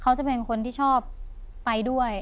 เขาจะเป็นคนที่ชอบไปด้วย